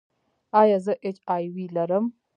ایا زه ایچ آی وي لرم؟